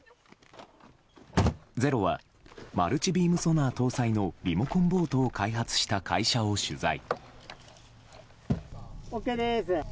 「ｚｅｒｏ」はマルチビームソナー搭載のリモコンボートを開発した会社を取材。